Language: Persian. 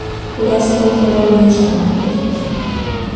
او دست خود را روی شانهام گذاشت.